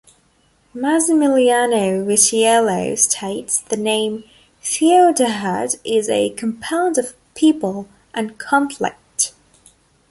Massimilliano Vitiello states the name "Theodahad" is a compound of 'people' and 'conflict'.